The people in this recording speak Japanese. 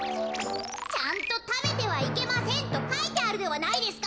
ちゃんと「食べてはいけません」とかいてあるではないですか！